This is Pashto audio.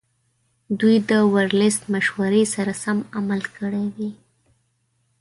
دوی د ورلسټ مشورې سره سم عمل کړی وي.